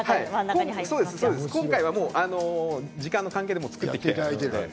今回は時間の関係でもう作っています。